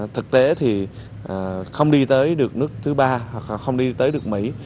thực tế thì không đi tới được nước thứ ba hoặc không đi tới được mỹ